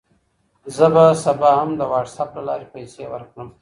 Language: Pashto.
زه به سبا هم د وټساپ له لارې پیسې ورکړم.